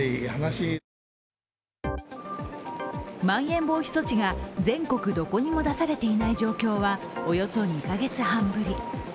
まん延防止措置が全国どこにも出されていない状況は、およそ２カ月半ぶり。